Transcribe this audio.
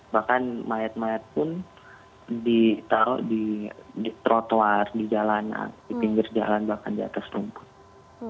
bahkan mayat mayat pun ditaruh di trotoar di jalanan di pinggir jalan bahkan di atas rumput